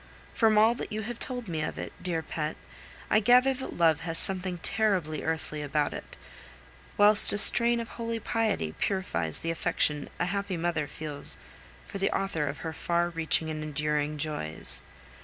From all that you have told me of it, dear pet, I gather that love has something terribly earthly about it, whilst a strain of holy piety purifies the affection a happy mother feels for the author of her far reaching and enduring joys.